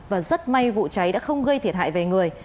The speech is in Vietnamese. và rất may vụ cháy đã không gây thiệt hại về người